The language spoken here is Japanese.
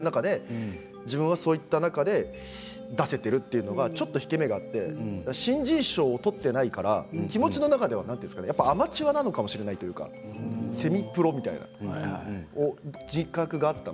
本当に頑張って小説を出したい人がたくさんいる中で自分はそういった中で出せているのがちょっと引け目があって新人賞を取っていないから気持ちの中ではアマチュアなのかもしれないというかセミプロみたいな自覚がありました。